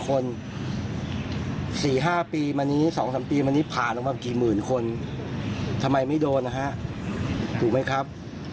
ฟังเสียงของเจ้าของลานจอดรถตรงนี้หน่อยนะครับ